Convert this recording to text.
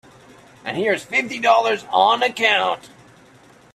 And here's fifty dollars on account.